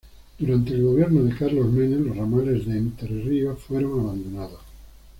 Durante el gobierno de Carlos Menem los ramales de Entre Ríos fueron abandonados.